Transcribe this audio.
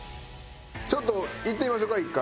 ちょっといってみましょうか一回。